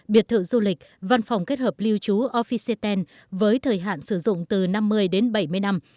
biệt thự du lịch văn phòng kết hợp lưu trú officetel với thời hạn sử dụng từ năm mươi đến bảy mươi năm